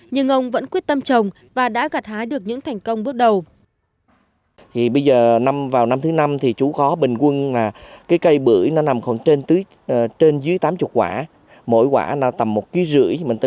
nhưng ông vẫn quyết tâm trồng và đã gặt hái được những thành công bước đầu